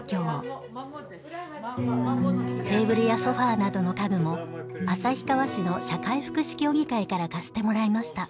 テーブルやソファなどの家具も旭川市の社会福祉協議会から貸してもらいました。